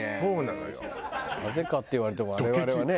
なぜかって言われても我々はね。